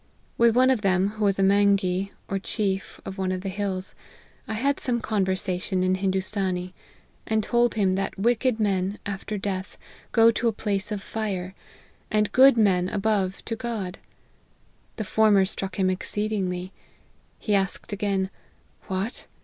With one of them, who was a manghee, or chief of one of the hills, I had some conversation in Hindoostanee ; and told him that wicked men, after death, go to a place of fire ; and good men, above, to God. The former struck him exceedingly. He asked again, ' What